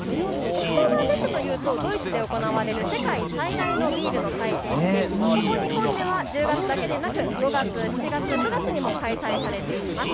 オクトーバーフェストというとドイツで行われる世界最大のビールの祭典でここ日本では１０月だけでなく５月、７月、９月にも開催されています。